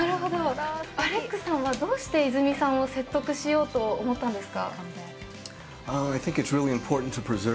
アレックスさんはどうしてイズミさんを説得しようと思ったんですか？